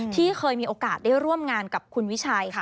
ที่เคยมีโอกาสได้ร่วมงานกับคุณวิชัยค่ะ